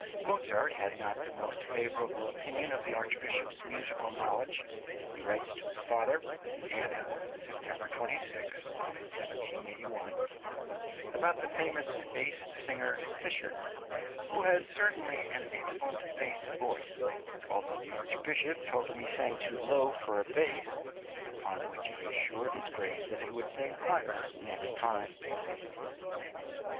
Mozart had not the most favourable opinion of the Archbishop's musical knowledge. He writes to his father (Vienna, September 26, 1781) about the famous bass singer, Fischer, "who has certainly an excellent bass voice, although the Archbishop told him he sang too low for a bass, upon which I assured His Grace that he would sing higher next time." {COURT CONCERTS THEIR LENGTH.